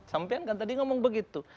sampean kan tadi ngomong begitu